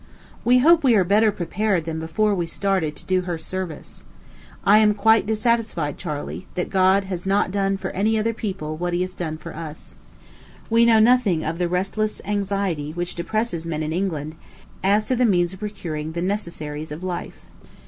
We hope we are better prepared than before we started to do her service. I am quite satisfied, Charley, that God has not done for any other people what he has for us. We know nothing of the restless anxiety which depresses men in England as to the means of procuring the necessaries of life.